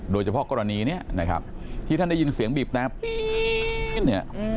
โดยเฉพาะกรณีที่ท่านได้ยินเสียงบีบไหน